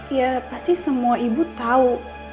ya pasti semua ibu tahu